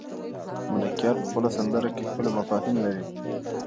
ملکیار په خپله سندره کې ښکلي مفاهیم لري.